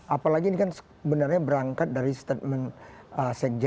apalagi ini kan sebenarnya berangkat dari statement sekjen